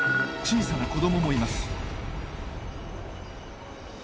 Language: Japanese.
小さな子どももいます。